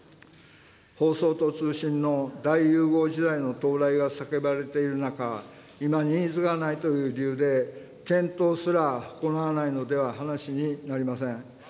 放送と通信の大融合時代の到来が叫ばれている中、今ニーズがないという理由で、検討すら行わないのでは話になりません。